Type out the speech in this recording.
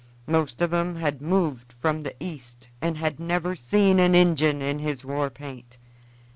Most of 'em had moved from the East and had never seen an Injun in his war paint.